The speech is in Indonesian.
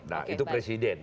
nah itu presiden